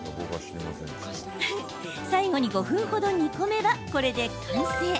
最後に５分程、煮込めばこれで完成。